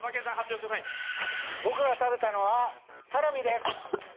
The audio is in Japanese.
僕が食べたのはサラミです。